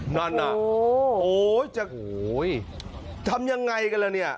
นั่นน่ะโอ้โหจะทำยังไงกันแล้วเนี่ย